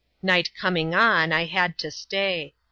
Night coming on, I had to stay.